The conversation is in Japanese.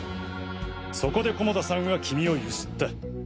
そこで菰田さんは君をゆすった。